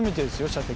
射的